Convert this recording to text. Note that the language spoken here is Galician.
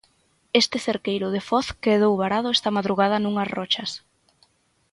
Este cerqueiro de Foz quedou varado esta madrugada nunhas rochas.